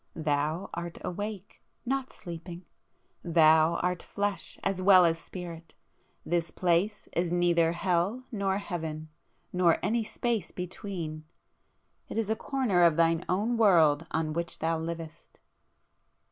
Thou art awake,—not sleeping,—thou art flesh as well as spirit! This place is neither hell nor heaven nor any space between,—it is a corner of thine own world on which thou livest.